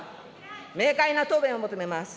明快な答弁を求めます。